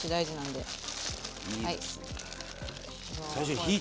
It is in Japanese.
はい。